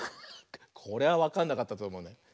これはわかんなかったとおもうな。